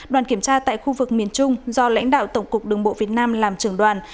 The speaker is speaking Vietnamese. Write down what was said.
đoàn kiểm tra tại khu vực miền trung do lãnh đạo tổng cục đường bộ việt nam làm trưởng đoàn